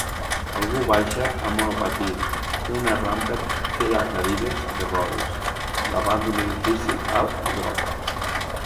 Algú baixa amb monopatí una rampa per a cadires de rodes davant un edifici alt i groc.